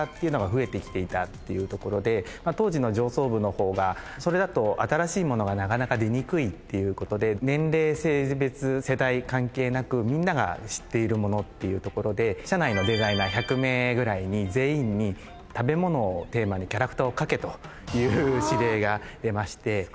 当時の上層部の方がそれだと新しい物がなかなか出にくいっていうことで年齢性別世代関係なくみんなが知っている物っていうところで社内のデザイナー１００名ぐらいに全員に食べ物をテーマにキャラクターを描けという指令が出まして。